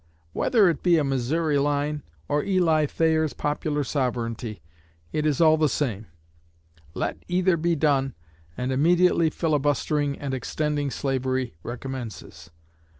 Whether it be a Missouri line, or Eli Thayer's Popular Sovereignty, it is all the same. Let either be done, and immediately filibustering and extending slavery recommences.